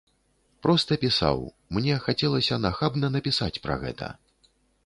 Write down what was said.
Проста пісаў, мне хацелася нахабна напісаць пра гэта.